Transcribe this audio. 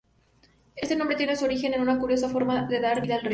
Este nombre tiene su origen en una curiosa forma de dar vida al río.